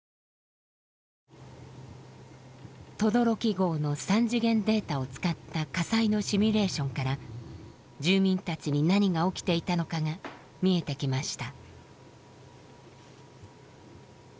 轟壕の３次元データを使った火災のシミュレーションから住民たちに何が起きていたのかが見えてきました。